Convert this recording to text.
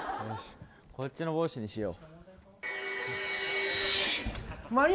こっちの帽子にしよう。